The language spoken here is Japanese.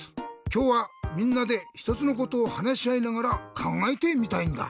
きょうはみんなでひとつのことをはなしあいながらかんがえてみたいんだ。